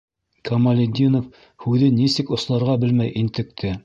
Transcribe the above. - Камалетдинов һүҙен нисек осларға белмәй интекте.